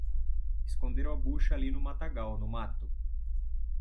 Esconderam a bucha ali no matagal, no mato